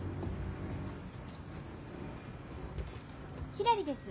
ひらりです。